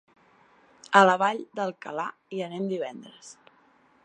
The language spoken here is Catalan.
A la Vall d'Alcalà hi anem divendres.